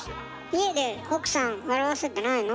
家で奥さん笑わせてないの？